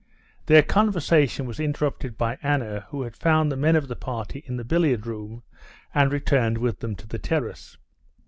Their conversation was interrupted by Anna, who had found the men of the party in the billiard room, and returned with them to the terrace.